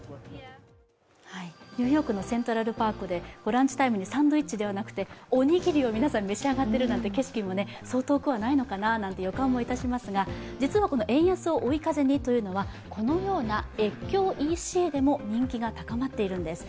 ニューヨークのセントラルパークで、ブランチタイムでサンドイッチではなくおにぎりを皆さん召し上がっているなんていう景色もそう遠くはないのかなという予感もいたしますが、実はこの円安を追い風にいとうのは、このような越境ＥＣでも人気が高まっているんです。